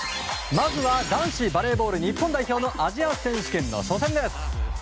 まず男子バレーボール日本代表アジア選手権の初戦。